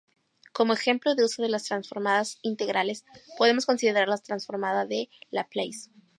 Como ejemplo de uso de las transformadas integrales, podemos considerar la Transformada de Laplace.